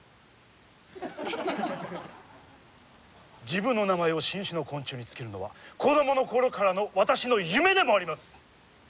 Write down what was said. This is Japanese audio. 自分の名前を新種の昆虫に付けるのは子どものころからの私の夢でもあります。